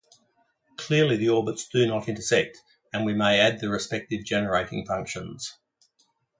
Clearly the orbits do not intersect and we may add the respective generating functions.